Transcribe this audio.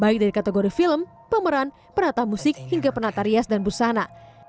baik dari kategori film pemeran penata musik hingga penata rias dan busana